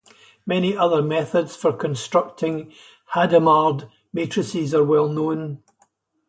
Many other methods for constructing Hadamard matrices are now known.